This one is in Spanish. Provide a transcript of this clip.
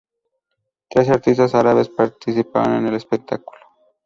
Trece artistas árabes participaron en el espectáculo.